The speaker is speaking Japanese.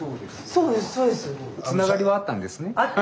そうですそうです。